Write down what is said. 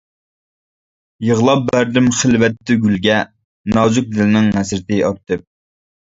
يىغلاپ بەردىم خىلۋەتتە گۈلگە، نازۇك دىلنىڭ ھەسرىتى ئارتىپ.